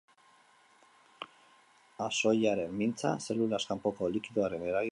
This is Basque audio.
Axoiaren mintza, zelulaz kanpoko likidoaren eraginpean jartzen du.